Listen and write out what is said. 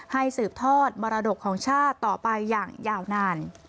สืบทอดมรดกของชาติต่อไปอย่างยาวนาน